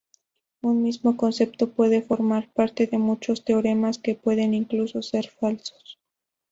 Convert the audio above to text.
Un mismo concepto puede formar parte de muchos teoremas, que pueden incluso, ser falsos.